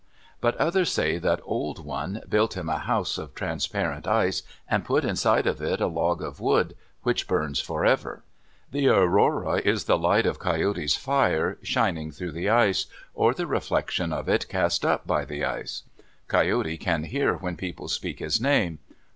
But others say that Old One built him a house of transparent ice and put inside of it a log of wood which burns forever. The aurora is the light of Coyote's fire, shining through the ice, or the reflection of it cast up by the ice. Coyote can hear when people speak his name.